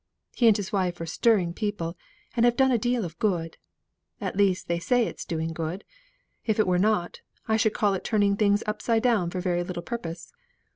He and his wife are stirring people, and have done a deal of good; at least they say it's doing good; if it were not, I should call it turning things upside down for very little purpose.